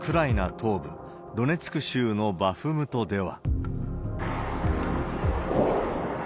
東部ドネツク州のバフムトでは。